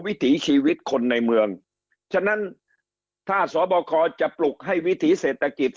วิถีชีวิตคนในเมืองฉะนั้นถ้าสบคจะปลุกให้วิถีเศรษฐกิจ